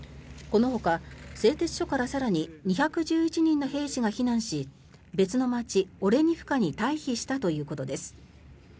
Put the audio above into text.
このほか製鉄所から更に２１１人の兵士が避難し別の街、オレニフカに退避したということです。